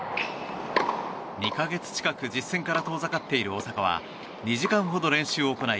２か月近く実戦から遠ざかっている大坂は２時間ほど練習を行い